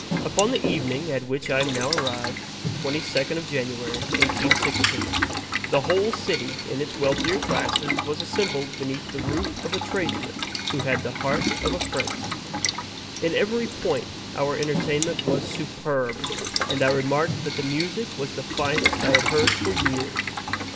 Upon the evening at which I am now arrived, the twenty second of January, 1816, the whole city, in its wealthier classes, was assembled beneath the roof of a tradesman who had the heart of a prince. In every point our entertainment was superb; and I remarked that the music was the finest I had heard for years.